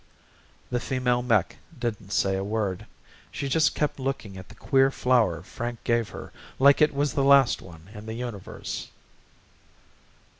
The female mech didn't say a word. She just kept looking at the queer flower Frank gave her like it was the last one in the universe.